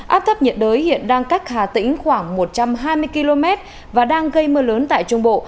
áp thấp nhiệt đới hiện đang cách hà tĩnh khoảng một trăm hai mươi km và đang gây mưa lớn tại trung bộ